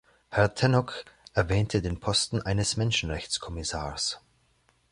Herr Tannock erwähnte den Posten eines Menschenrechtskommissars.